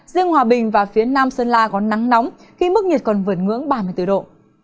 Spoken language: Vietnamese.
riêng hòa bình và phía nam sơn la có nắng nóng khi mức nhiệt còn vượt ngưỡng ba mươi bốn độ